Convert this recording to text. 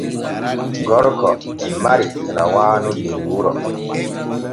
Gorko e mari rawaanu der wuro.